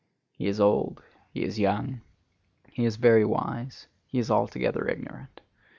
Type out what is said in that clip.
He is old, he is young, he is very wise, he is altogether ignorant.